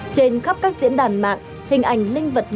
trên khắp các diễn đàn mạng hình ảnh linh vật